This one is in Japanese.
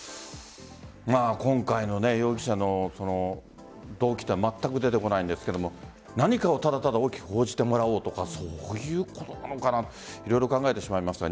今回の容疑者の動機というのはまったく出てこないんですが何かをただ大きく報じてもらおうとかそういうことなのかと色々、考えてしまいました。